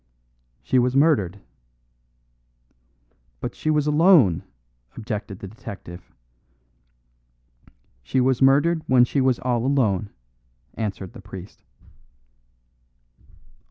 "She was murdered." "But she was alone," objected the detective. "She was murdered when she was all alone," answered the priest.